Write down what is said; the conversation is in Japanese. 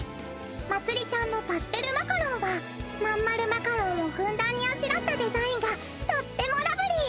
まつりちゃんのパステルマカロンはまん丸マカロンをふんだんにあしらったデザインがとってもラブリー！